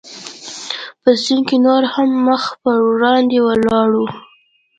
په سیند کې نور هم مخ پر وړاندې ولاړو.